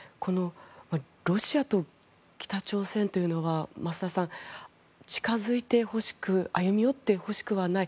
ロシアと北朝鮮というのは増田さん、近づいてほしくはない歩み寄ってほしくはない。